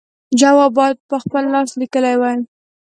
جواب باید په خپل لاس لیکلی وای.